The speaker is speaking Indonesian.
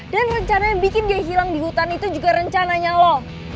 dan rencana yang bikin dia hilang di hutan itu juga rencananya lo